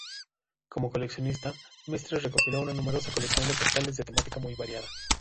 Como coleccionista, Mestres recopiló una numerosa colección de postales de temática muy variada.